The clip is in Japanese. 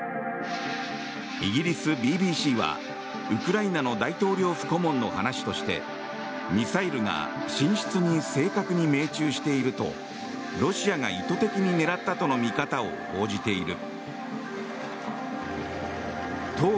イギリス・ＢＢＣはウクライナの大統領府顧問の話としてミサイルが寝室に正確に命中しているとロシアが意図的に狙ったとの見方を報じている。